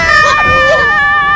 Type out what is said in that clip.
apa wan setan